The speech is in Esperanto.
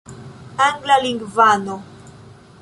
anglalingvano